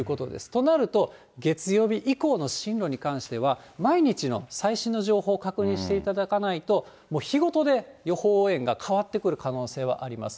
となると、月曜日以降の進路に関しては、毎日の最新の情報を確認していただかないと、もう日ごとで予報円が変わってくる可能性はあります。